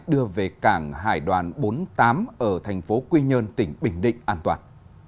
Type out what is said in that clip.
đưa về cảng hải đoàn bốn mươi tám ở thành phố quy nhơn tỉnh bình định an toàn